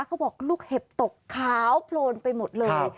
เขาบอกลูกเห็บตกขาวโพลนไปหมดเลย